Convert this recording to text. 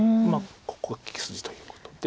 ここは利き筋ということで。